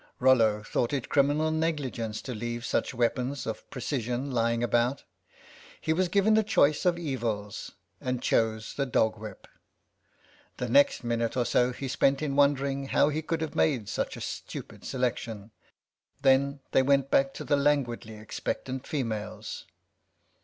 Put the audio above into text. Rollo thought it criminal negligence to leave such weapons of precision lying about. He was given a choice of evils, and chose the dog whip ; the next minute or so he spent in wondering how he could have made such a stupid selection. Then they went back to the languidly expectant females.